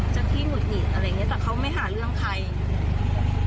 จะขี้หงุดหงิดอะไรอย่างเงี้แต่เขาไม่หาเรื่องใคร